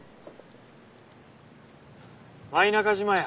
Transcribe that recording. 舞中島や。